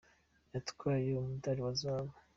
Yatwaye umudali wa zahabu.